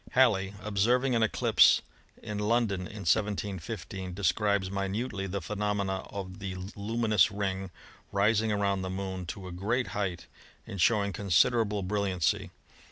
Halley, observing an eclipse in London in 171 5, describes minutely the phenomena of the luminous ring rising around the Moon to a great height, and showing considerable brilliancy.